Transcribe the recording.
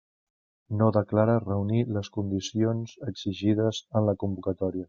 No declara reunir les condicions exigides en la convocatòria.